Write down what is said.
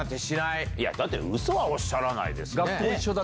だってウソはおっしゃらないですよね。